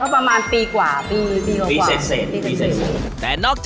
ประมาณปีกว่าปีเสร็จ